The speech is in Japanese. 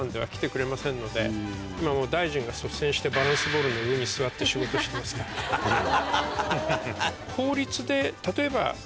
大臣が率先してバランスボールの上に座って仕事してますから。とか。